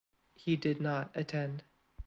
He did not attend.